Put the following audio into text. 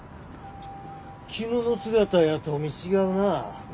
着物姿やと見違うなあ。